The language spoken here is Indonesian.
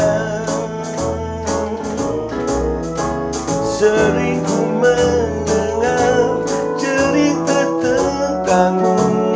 dan sering ku mendengar cerita tentangmu